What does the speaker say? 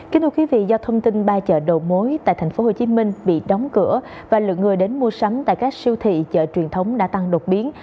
kính thưa quý vị do thông tin ba chợ đầu mối tại tp hcm bị đóng cửa và lượng người đến mua sắm tại các siêu thị chợ truyền thống đã tăng đột biến